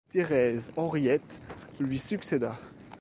Thérèse Henriette lui succéda.